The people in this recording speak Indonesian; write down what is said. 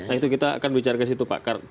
nah itu kita akan bicara ke situ pak